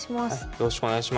よろしくお願いします。